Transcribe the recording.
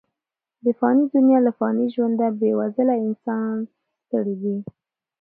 د فاني دنیا له فاني ژونده، بې وزله انسانان ستړي دي.